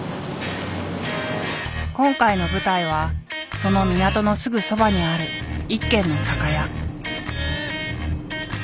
今回の舞台はその港のすぐそばにある一軒の酒屋。